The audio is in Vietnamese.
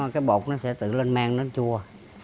cái bột nó sẽ tự lên men nó chua